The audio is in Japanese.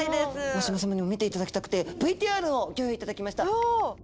大島様にも見ていただきたくてＶＴＲをギョ用意いただきました。